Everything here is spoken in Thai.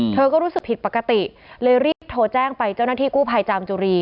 เธอก็รู้สึกผิดปกติเลยรีบโทรแจ้งไปเจ้าหน้าที่กู้ภัยจามจุรี